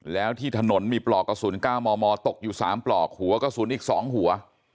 แล้วที่ถนนมีปลอกกระสุน๙มมตกอยู่๓ปลอกหัวกระสุนอีก๒หัว